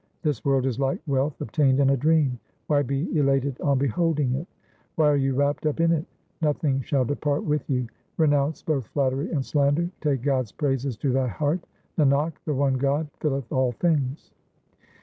This world is like wealth obtained in a dream ; why be elated on beholding it ? Why are you wrapped up in it ? nothing shall depart with you. Renounce both flattery and slander ; take God's praises to thy heart. Nanak, the one God filleth all things.